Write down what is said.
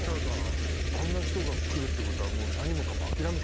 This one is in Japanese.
あんな人が来るってことは。